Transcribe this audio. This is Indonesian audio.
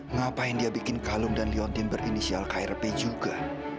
ngapain dia bikin kalung dan leontin berinisial krp juga